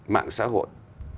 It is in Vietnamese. mạng xã hội